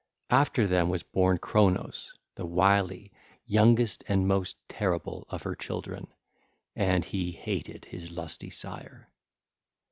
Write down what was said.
After them was born Cronos the wily, youngest and most terrible of her children, and he hated his lusty sire.